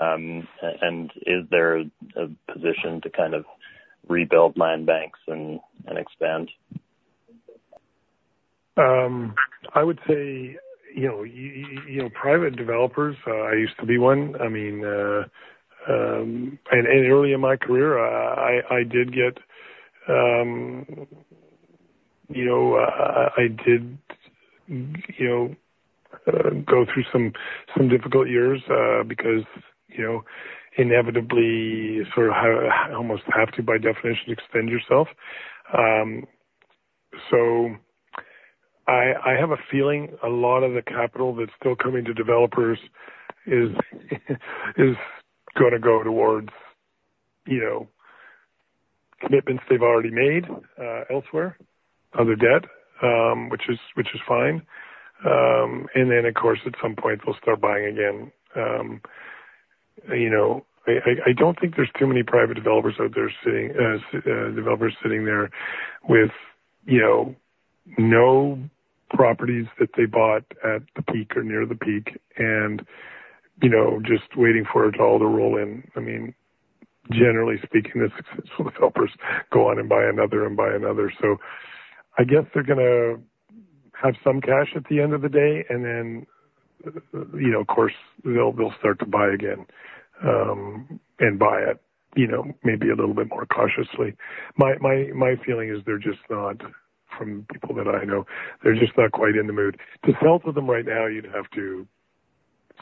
And is there a position to kind of rebuild land banks and expand? I would say private developers. I used to be one. I mean, early in my career, I did go through some difficult years because inevitably, you sort of almost have to, by definition, extend yourself. So I have a feeling a lot of the capital that's still coming to developers is going to go towards commitments they've already made elsewhere, other debt, which is fine. And then, of course, at some point, they'll start buying again. I don't think there's too many private developers out there sitting there with no properties that they bought at the peak or near the peak and just waiting for it all to roll in. I mean, generally speaking, the successful developers go on and buy another and buy another. So I guess they're going to have some cash at the end of the day. And then, of course, they'll start to buy again and buy it maybe a little bit more cautiously. My feeling is they're just not, from people that I know, they're just not quite in the mood. To sell to them right now, you'd have to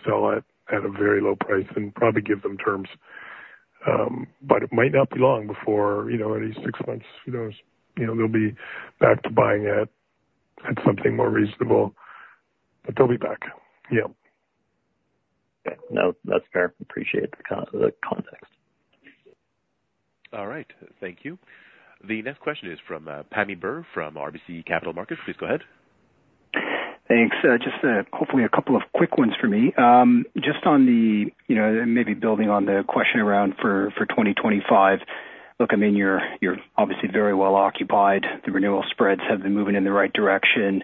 sell it at a very low price and probably give them terms. But it might not be long before any six months, who knows, they'll be back to buying at something more reasonable. But they'll be back. Yeah. Okay. No, that's fair. Appreciate the context. All right. Thank you. The next question is from Pammi Bir from RBC Capital Markets. Please go ahead. Thanks. Just hopefully a couple of quick ones for me. Just on the maybe building on the question around for 2025, look, I mean, you're obviously very well occupied. The renewal spreads have been moving in the right direction.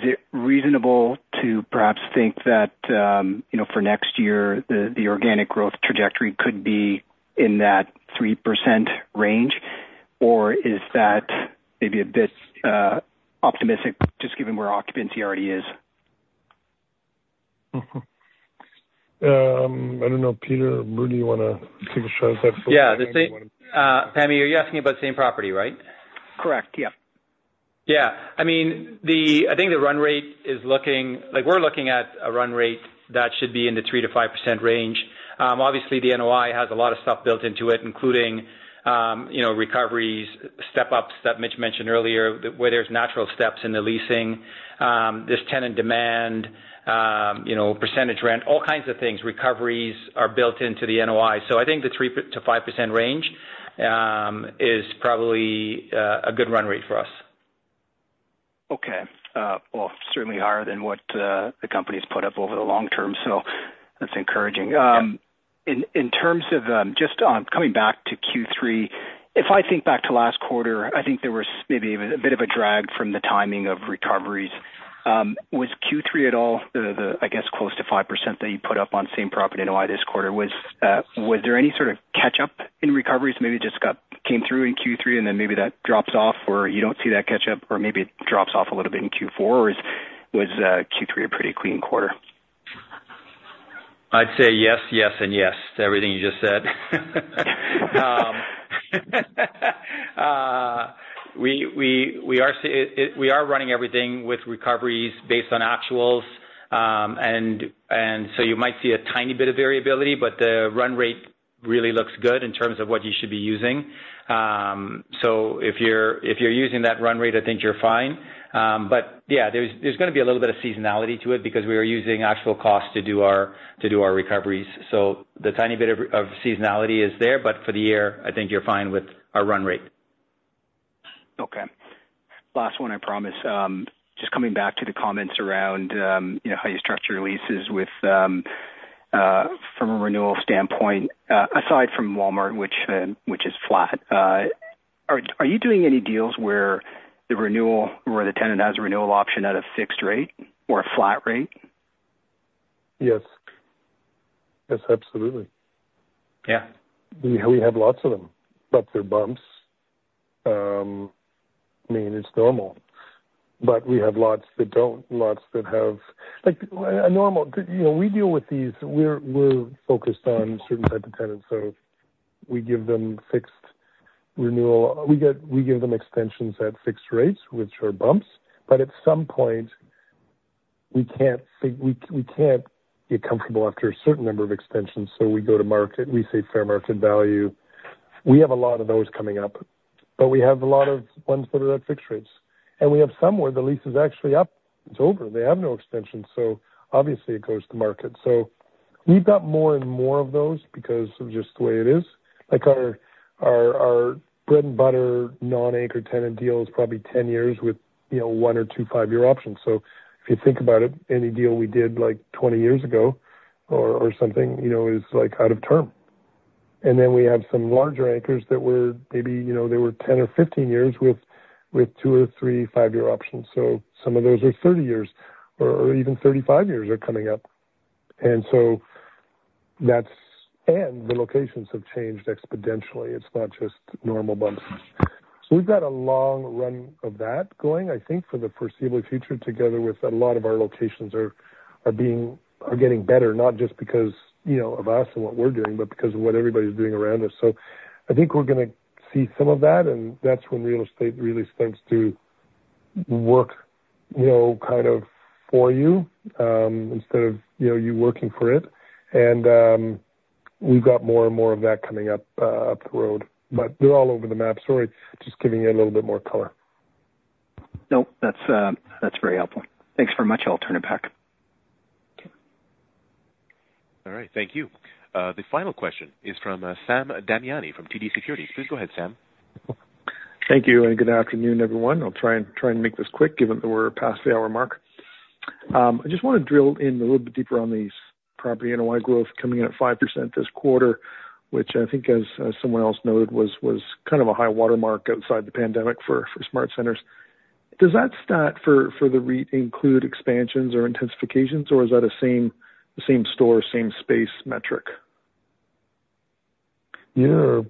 Is it reasonable to perhaps think that for next year, the organic growth trajectory could be in that 3% range? Or is that maybe a bit optimistic just given where occupancy already is? I don't know. Peter, Rudy, you want to take a shot at that? Yeah. Pammi, are you asking about the same property, right? Correct. Yeah. Yeah. I mean, I think the run rate is looking, we're looking at a run rate that should be in the 3%-5% range. Obviously, the NOI has a lot of stuff built into it, including recoveries, step-ups that Mitch mentioned earlier, where there's natural steps in the leasing, there's tenant demand, percentage rent, all kinds of things. Recoveries are built into the NOI. So I think the 3%-5% range is probably a good run rate for us. Okay. Well, certainly higher than what the company's put up over the long term. So that's encouraging. In terms of just coming back to Q3, if I think back to last quarter, I think there was maybe a bit of a drag from the timing of recoveries. Was Q3 at all the, I guess, close to 5% that you put up on same property NOI this quarter? Was there any sort of catch-up in recoveries? Maybe it just came through in Q3, and then maybe that drops off, or you don't see that catch-up, or maybe it drops off a little bit in Q4? Or was Q3 a pretty clean quarter? I'd say yes, yes, and yes. Everything you just said. We are running everything with recoveries based on actuals. And so you might see a tiny bit of variability, but the run rate really looks good in terms of what you should be using. So if you're using that run rate, I think you're fine. But yeah, there's going to be a little bit of seasonality to it because we are using actual costs to do our recoveries. So the tiny bit of seasonality is there. But for the year, I think you're fine with our run rate. Okay. Last one, I promise. Just coming back to the comments around how you structure your leases from a renewal standpoint, aside from Walmart, which is flat, are you doing any deals where the tenant has a renewal option at a fixed rate or a flat rate? Yes. Yes, absolutely. We have lots of them. But they're bumps. I mean, it's normal. But we have lots that don't, lots that have a normal. We deal with these. We're focused on certain type of tenants. So we give them fixed renewal. We give them extensions at fixed rates, which are bumps. But at some point, we can't get comfortable after a certain number of extensions. So we go to market. We say fair market value. We have a lot of those coming up. But we have a lot of ones that are at fixed rates. And we have some where the lease is actually up. It's over. They have no extensions. So obviously, it goes to market. So we've got more and more of those because of just the way it is. Like our bread-and-butter non-anchor tenant deal is probably 10 years with one or two five-year options. So if you think about it, any deal we did like 20 years ago or something is out of term. And then we have some larger anchors that were maybe 10 or 15 years with two or three five-year options. So some of those are 30 years or even 35 years are coming up. And so that's, and the locations have changed exponentially. It's not just normal bumps. So we've got a long run of that going, I think, for the foreseeable future together with a lot of our locations are getting better, not just because of us and what we're doing, but because of what everybody's doing around us. So I think we're going to see some of that. And that's when real estate really starts to work kind of for you instead of you working for it. And we've got more and more of that coming up the road. But they're all over the map story, just giving you a little bit more color. Nope. That's very helpful. Thanks very much. I'll turn it back. Okay. All right. Thank you. The final question is from Sam Damiani from TD Securities. Please go ahead, Sam. Thank you and good afternoon, everyone. I'll try and make this quick given that we're past the hour mark. I just want to drill in a little bit deeper on these property NOI growth coming in at 5% this quarter, which I think, as someone else noted, was kind of a high-water mark outside the pandemic for SmartCentres. Does that stat for the REIT include expansions or intensifications, or is that a same-store, same-space metric? Yeah.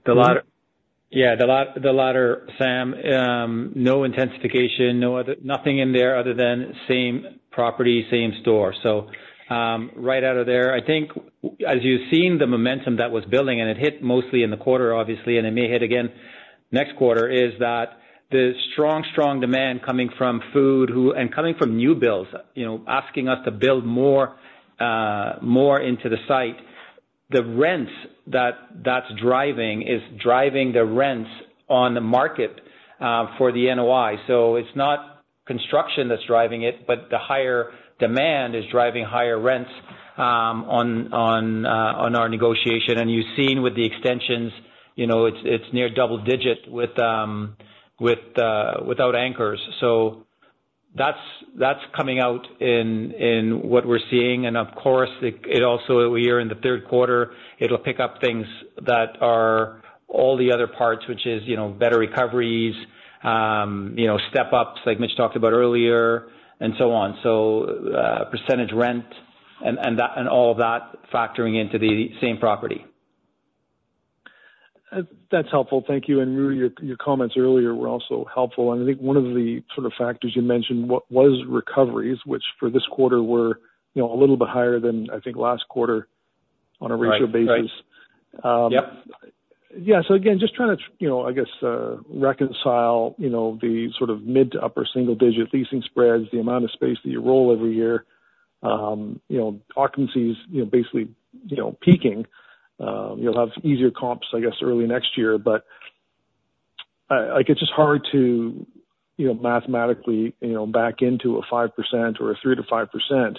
Yeah. The latter, Sam. No intensification, nothing in there other than same property, same store. So right out of there, I think, as you've seen the momentum that was building, and it hit mostly in the quarter, obviously, and it may hit again next quarter, is that the strong, strong demand coming from food and coming from new builds, asking us to build more into the site. The rents that that's driving is driving the rents on the market for the NOI. So it's not construction that's driving it, but the higher demand is driving higher rents on our negotiation. And you've seen with the extensions, it's near double digit without anchors. So that's coming out in what we're seeing. And of course, we're in the third quarter. It'll pick up things that are all the other parts, which is better recoveries, step-ups like Mitch talked about earlier, and so on. So percentage rent and all of that factoring into the same property. That's helpful. Thank you. And Rudy, your comments earlier were also helpful. And I think one of the sort of factors you mentioned was recoveries, which for this quarter were a little bit higher than, I think, last quarter on a ratio basis. Right. Yep. Yeah. So again, just trying to, I guess, reconcile the sort of mid to upper single-digit leasing spreads, the amount of space that you roll every year, occupancies basically peaking. You'll have easier comps, I guess, early next year. But it's just hard to mathematically back into a 5% or a 3%-5%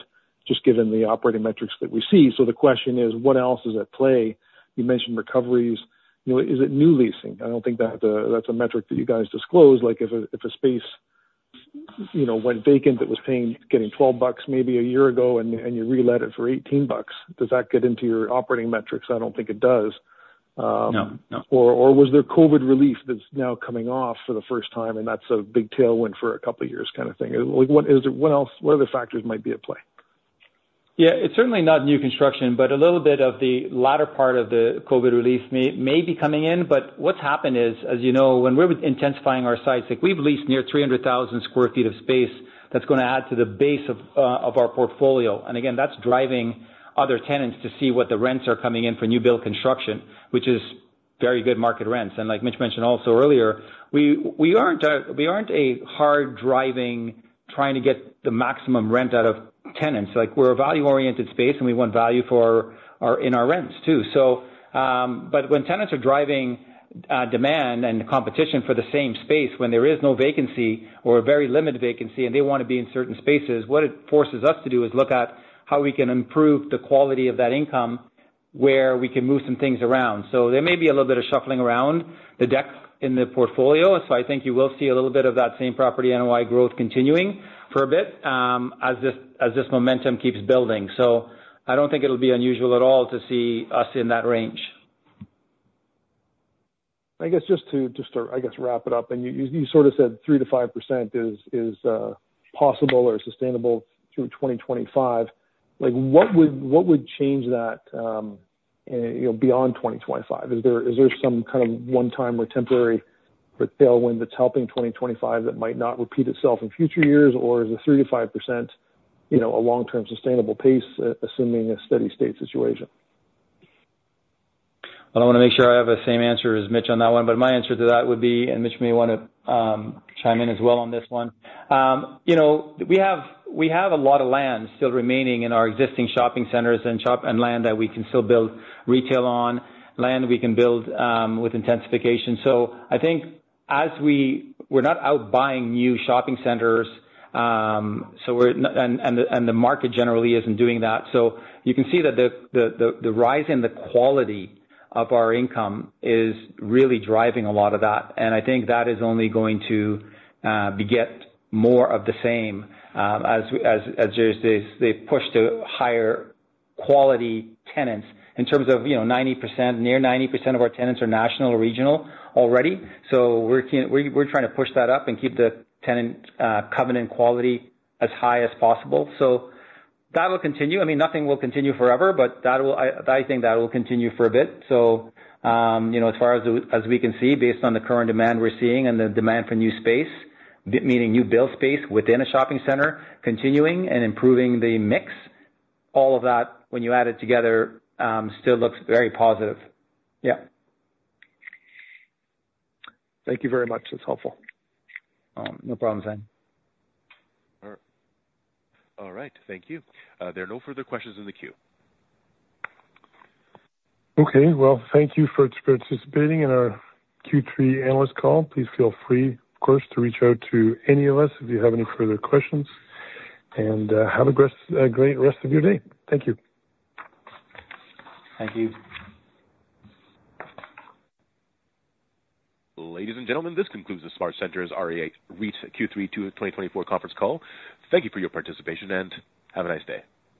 just given the operating metrics that we see. So the question is, what else is at play? You mentioned recoveries. Is it new leasing? I don't think that's a metric that you guys disclose. If a space went vacant that was getting 12 bucks maybe a year ago and you relet it for 18 bucks, does that get into your operating metrics? I don't think it does. No. No. Or was there COVID relief that's now coming off for the first time, and that's a big tailwind for a couple of years kind of thing? What other factors might be at play? Yeah. It's certainly not new construction, but a little bit of the latter part of the COVID relief may be coming in, but what's happened is, as you know, when we're intensifying our sites, we've leased near 300,000 sq ft of space that's going to add to the base of our portfolio, and again, that's driving other tenants to see what the rents are coming in for new-build construction, which is very good market rents, and like Mitch mentioned also earlier, we aren't a hard-driving trying to get the maximum rent out of tenants. We're a value-oriented space, and we want value in our rents too. But when tenants are driving demand and competition for the same space, when there is no vacancy or a very limited vacancy, and they want to be in certain spaces, what it forces us to do is look at how we can improve the quality of that income where we can move some things around. So there may be a little bit of shuffling around the deck in the portfolio. So I think you will see a little bit of that same property NOI growth continuing for a bit as this momentum keeps building. So I don't think it'll be unusual at all to see us in that range. I guess just to, I guess, wrap it up, and you sort of said 3%-5% is possible or sustainable through 2025. What would change that beyond 2025? Is there some kind of one-time or temporary tailwind that's helping 2025 that might not repeat itself in future years? Or is the 3%-5% a long-term sustainable pace, assuming a steady-state situation? I don't want to make sure I have the same answer as Mitch on that one. But my answer to that would be, and Mitch may want to chime in as well on this one. We have a lot of land still remaining in our existing shopping centers and land that we can still build retail on, land we can build with intensification. So I think as we're not out buying new shopping centers, and the market generally isn't doing that. So you can see that the rise in the quality of our income is really driving a lot of that. And I think that is only going to beget more of the same as they push to higher quality tenants. In terms of 90%, near 90% of our tenants are national or regional already. So we're trying to push that up and keep the tenant covenant quality as high as possible. So that will continue. I mean, nothing will continue forever, but I think that will continue for a bit. So as far as we can see, based on the current demand we're seeing and the demand for new space, meaning new build space within a shopping center, continuing and improving the mix, all of that, when you add it together, still looks very positive. Yeah. Thank you very much. That's helpful. No problem, Sam. All right. Thank you. There are no further questions in the queue. Okay. Well, thank you for participating in our Q3 analyst call. Please feel free, of course, to reach out to any of us if you have any further questions. And have a great rest of your day. Thank you. Thank you. Ladies and gentlemen, this concludes the SmartCentres REIT Q3 2024 conference call. Thank you for your participation and have a nice day.